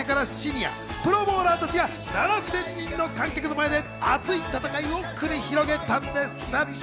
全国の予選を勝ち抜いた小学生からシニア、プロボウラーたちが７０００人の観客の前で熱い戦いを繰り広げたんです。